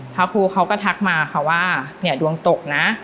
พระครูเขาก็ทักมาค่ะว่าเนี่ยดวงตกนะ